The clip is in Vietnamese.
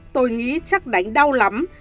tôi nghĩ chắc đánh đau lắm